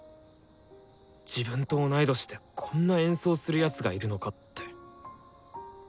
自分と同い年でこんな演奏する奴がいるのかって。